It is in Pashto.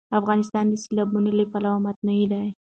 افغانستان د سیلابونه له پلوه متنوع دی.